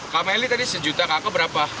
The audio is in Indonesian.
kameli tadi sejuta kakak berapa